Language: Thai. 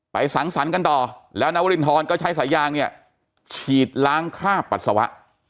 สังสรรค์กันต่อแล้วนาวรินทรก็ใช้สายยางเนี่ยฉีดล้างคราบปัสสาวะ